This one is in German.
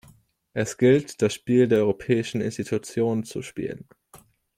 Es gilt, das Spiel der europäischen Institutionen zu spielen.